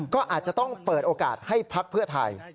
ก็อาจจะต้องเปิดโอกาสให้พักเพื่อไทย